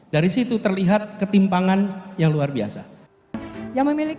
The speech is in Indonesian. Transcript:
dari situ terlihat ketimpangan yang luar biasa